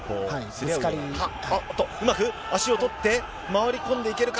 おっと、うまく足を取って回り込んでいけるか。